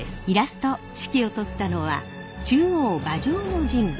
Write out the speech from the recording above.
指揮を執ったのは中央馬上の人物。